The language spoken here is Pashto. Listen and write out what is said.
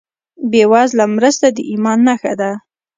بېوزله مرسته د ایمان نښه ده.